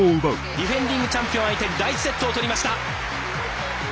ディフェンディングチャンピオンを相手に第１セットを取りました。